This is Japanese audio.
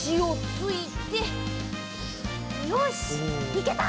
いけた！